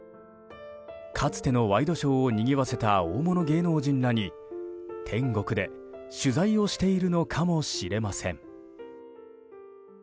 かつてのワイドショーをにぎわせた大物芸能人らに天国で取材をしているのかもしれません。